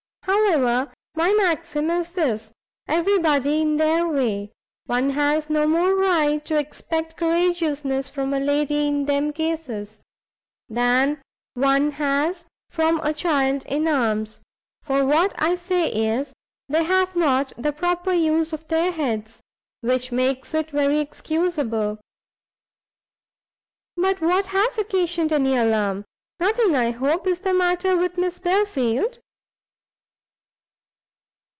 however, my maxim is this; every body in their way; one has no more right to expect courageousness from a lady in them cases, than one has from a child in arms; for what I say is, they have not the proper use of their heads, which makes it very excusable." "But what has occasioned any alarm? nothing, I hope, is the matter with Miss Belfield?"